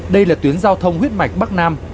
đây là tuyến giao thông huyết mạch bắc nam